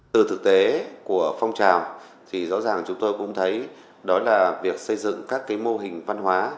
từ thực tế của phong trào thì rõ ràng chúng tôi cũng thấy đó là việc xây dựng các mô hình văn hóa